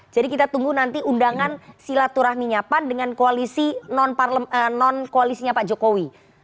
jadi kita tunggu nanti undangan silaturahminya pan dengan koalisinya pak jokowi